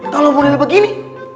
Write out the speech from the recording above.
kalau boleh begini